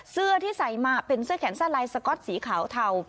เสื้อที่ใส่มาเป็นเสื้อแขนสั้นลายสก๊อตสีขาวเทา